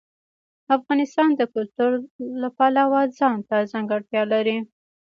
افغانستان د کلتور د پلوه ځانته ځانګړتیا لري.